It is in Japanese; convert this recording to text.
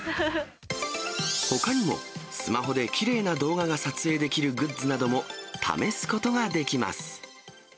ほかにもスマホできれいな動画が撮影できるグッズなども試すことができます。